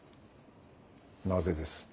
なぜです？